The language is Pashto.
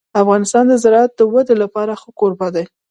افغانستان د زراعت د ودې لپاره ښه کوربه دی.